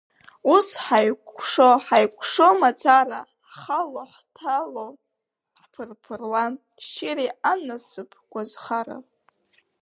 Ус ҳаикәшо, ҳаикәшо мацара, ҳхало-ҳҭало, ҳԥырԥыруа, шьыри, анасыԥ гәазхара…